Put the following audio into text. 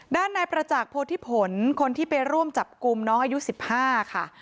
ด้านนายประจักษ์โพธิผลคนที่ไปร่วมจับกลุ่มน้องอายุ๑๕ค่ะ